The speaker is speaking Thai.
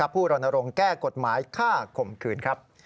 ผู้รอนรงค์แก้กฎหมายฆ่าข่มขืน